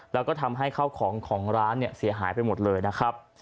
แล้วก็ทำให้ข้าวของของร้านเนี่ยเสียหายไปหมดเลยนะครับ